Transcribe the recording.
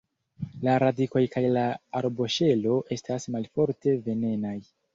La radikoj kaj la arboŝelo estas malforte venenaj.